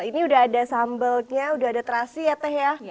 ini udah ada sambalnya udah ada terasi ya teh ya